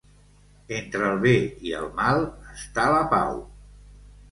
Entre el bé i el mal està la pau.